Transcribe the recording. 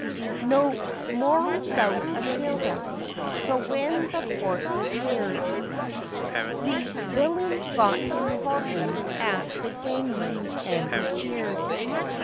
No moral doubt assailed us, so when the port we neared, The villain got his flogging at the gangway, and we cheered.